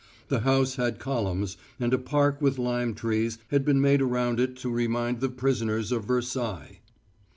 The house had columns, and a park with lime trees had been made around it to remind the prisoners of Versailles.